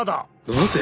なぜ？